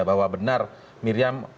bahwa benar miriam